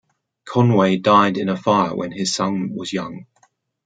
Conway died in a fire when his son was young.